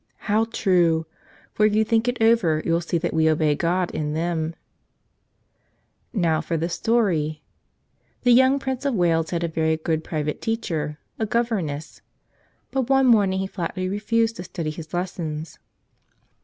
How true; for if you think it over you'll see that we obey God in them. Now for the story. The young Prince of Wales had a very good private teacher, a governess. But one morning he flatly refused to study his lessons.